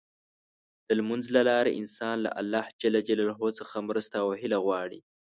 د لمونځ له لارې انسان له الله څخه مرسته او هيله غواړي.